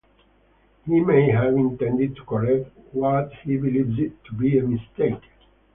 He may have intended to correct what he believed to be a mistake.